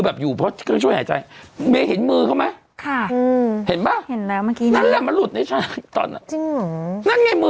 หลุดเป็นข้อด้วย